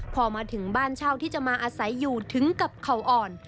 พอมาถึงบ้านเช่าที่จะมาอาศัยอยู่ถึงกับเขาอ่อน